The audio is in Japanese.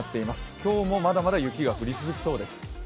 今日もまだまだ雪が降り続きそうです。